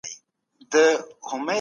آیا اورېدل د غږیزې حافظې لپاره اساسي دي؟